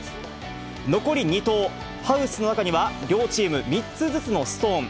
残り２投、ハウスの中には、両チーム、３つずつのストーン。